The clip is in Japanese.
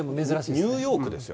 ニューヨークですよ。